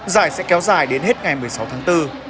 giải sẽ kéo dài đến hết ngày một mươi sáu tháng bốn